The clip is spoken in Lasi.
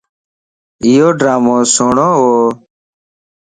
ايوڊرامو سڻھوَ